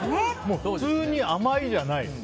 普通に甘いじゃない。